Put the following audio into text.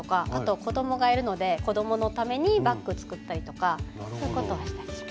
子どもがいるので子どものためにバッグ作ったりとかそういうことはしたりします。